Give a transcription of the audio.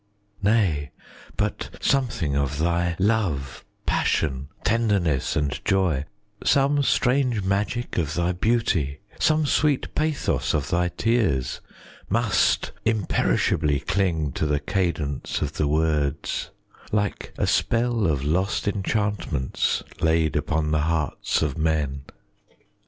20 Nay, but something of thy love, Passion, tenderness, and joy, Some strange magic of thy beauty, Some sweet pathos of thy tears, Must imperishably cling 25 To the cadence of the words, Like a spell of lost enchantments Laid upon the hearts of men.